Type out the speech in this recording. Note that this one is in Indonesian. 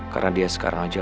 karena dia sekarang aja